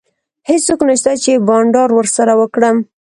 هیڅوک نشته چي بانډار ورسره وکړم.